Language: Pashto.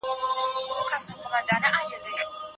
انډرو د ستنو کارول د خپل ظاهري بڼې لپاره اوږدمهاله ژمنه ګڼي.